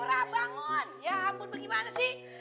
ya ampun bagaimana sih